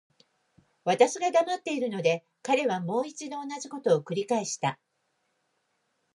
私が黙っているので、彼はもう一度同じことを繰返した。